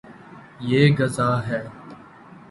یے گصاہ ہے